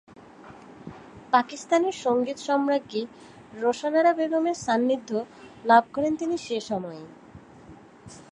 পাকিস্তানের সঙ্গীত সম্রাজ্ঞী রোশন আরা বেগমের সান্নিধ্য লাভ করেন তিনি সে সময়ই।